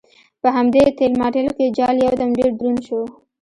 په همدې ټېل ماټېل کې جال یو دم ډېر دروند شو.